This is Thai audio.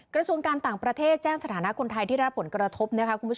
กระทรวงการต่างประเทศแจ้งสถานะคนไทยที่ได้รับผลกระทบ